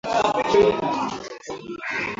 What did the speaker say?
au angalau waepuke kusumbuliwa na mamlaka husika